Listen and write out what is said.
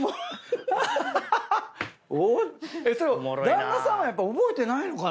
旦那さんは覚えてないのかな？